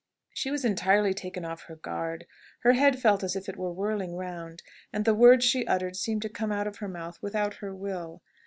She was entirely taken off her guard. Her head felt as if it were whirling round, and the words she uttered seemed to come out of her mouth without her will.